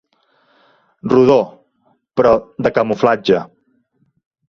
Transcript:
Rodó, però de camuflatge.